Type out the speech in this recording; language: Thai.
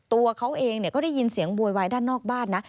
ตัวเขาเองก็ได้ยินเสียงโวยวายด้านนอกบ้านนะ